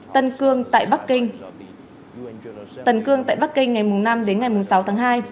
trung quốc tân cương tại bắc kinh ngày năm đến ngày sáu tháng hai